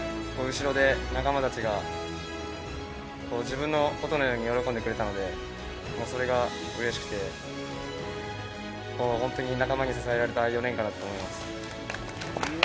後ろで仲間たちが自分のことのように喜んでくれたのでそれがうれしくて、本当に仲間に支えられた４年間だったと思います。